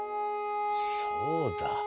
そうだ。